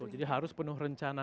jadi harus penuh rencana